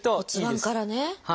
骨盤からね。